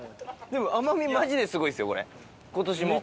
でも甘みマジですごいですよこれ今年も。